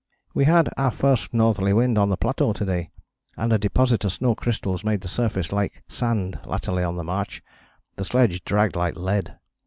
"We had our first northerly wind on the plateau to day, and a deposit of snow crystals made the surface like sand latterly on the march. The sledge dragged like lead.